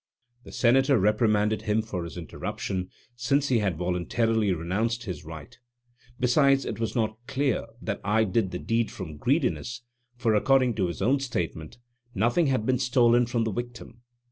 The Senator reprimanded him for his interruption, since he had voluntarily renounced his right; besides it was not clear that I did the deed from greediness, for, according to his own statement, nothing had been stolen from the victim.